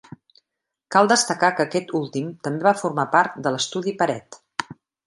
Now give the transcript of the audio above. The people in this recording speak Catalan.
Cal destacar que aquest últim també va formar part de l'estudi Peret.